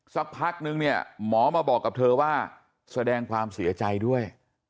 สักพักนึงเนี่ยหมอมาบอกกับเธอว่าแสดงความเสียใจด้วย